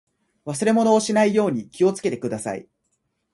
忘れ物をしないように気をつけてください。